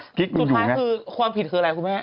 สุดท้ายคือความผิดคืออะไรคุณแม่